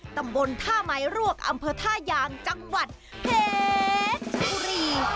ตำบลท่าไม้รวกอำเภอท่ายางจังหวัดเพชรบุรี